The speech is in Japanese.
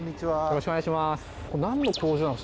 よろしくお願いします。